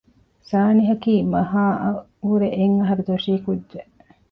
ސާނިހަކީ މަހާ އަށް ވުރެ އެއް އަހަރު ދޮށީ ކުއްޖެއް